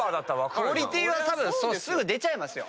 クオリティーはたぶんすぐ出ちゃいますよ。